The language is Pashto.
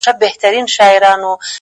مخ به در واړوم خو نه پوهېږم ـ